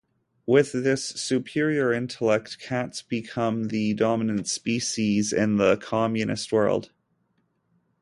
With this superior intellect cats become the dominant species in the Communist world.